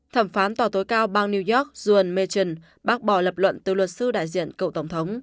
thẩm phán tòa tối cao bang new york juan merton bác bỏ lập luận từ luật sư đại diện cựu tổng thống